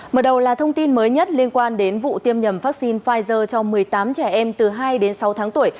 mở đầu là thông tin mới nhất liên quan đến vụ tiêm nhầm vaccine pfizer cho một mươi tám trẻ em từ hai đến sáu tháng tuổi